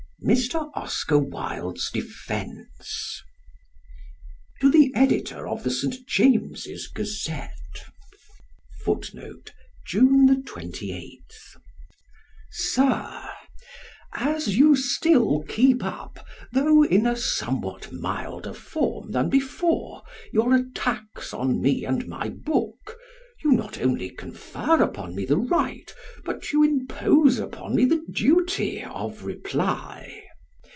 _MR. OSCAR WILDE'S DEFENCE. To the Editor of the St. James's Gazette. Sir, As you still keep up, though in a somewhat milder form than before, your attacks on me and my book you not only confer upon me the right, but you impose on me the duty of reply.